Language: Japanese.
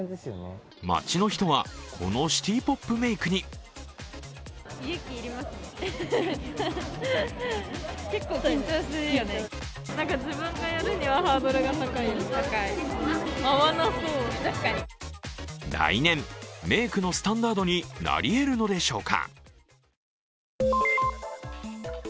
街の人はこのシティポップメイクに来年、メイクのスタンダードになりえるのでしょうか。